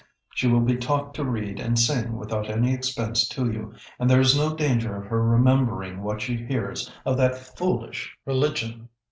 She will be taught to read and sing without any expense to you, and there is no danger of her remembering what she hears of that foolish religion."